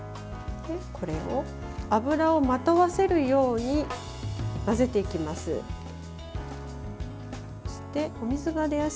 これを油をまとわせるように交ぜていきます。